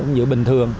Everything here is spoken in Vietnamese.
nhựa bình thường